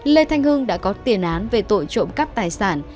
lê thanh hưng đã có tiền án về tội trộm cắp tài sản